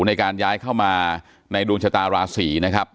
ในการย้ายเข้ามาในดวงชะตาราศีนะครับ